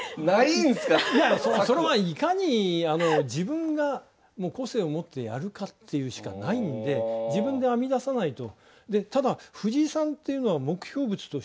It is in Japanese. それはいかに自分が個性を持ってやるかっていうしかないんで自分で編み出さないと。